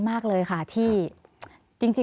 สวัสดีครับทุกคน